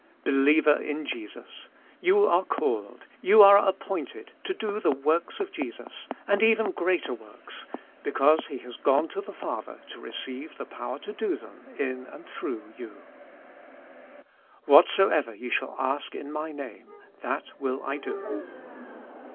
Believer in Jesus ! you are called, you are ap pointed, to do the works of Jesus, and even greater works, because He has gone to the Father to receive the power to do them in and through you. Whatsoever ^^ shall ask in my Name that will I do.